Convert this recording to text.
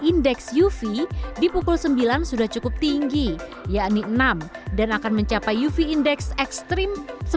indeks uv di pukul sembilan sudah cukup tinggi yakni enam dan akan mencapai uv index ekstrim